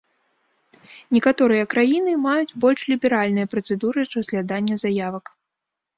Некаторыя краіны маюць больш ліберальныя працэдуры разглядання заявак.